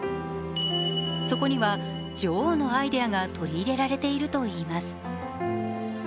そこには、女王のアイデアが取り入れられているといいます。